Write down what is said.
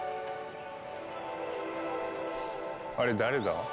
あれ誰だ？